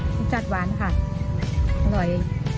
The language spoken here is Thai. รสชาติหวานค่ะอร่อย